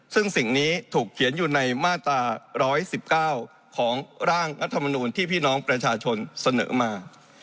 ซึ่งสิ่งนี้ถูกเขียนอยู่ในมาตรา๑๑๙ของร่างรัฐมนูลที่พี่น้องประชาชนเสนอมา